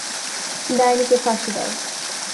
ডাইনি কে ফাঁসি দাও।